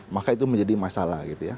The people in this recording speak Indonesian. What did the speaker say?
maka itu menjadi masalah gitu ya